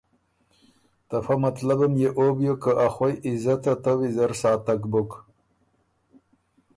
ته فۀ مطلبم يې او بیوک که ا خوئ عزته ته ویزر ساتک بُک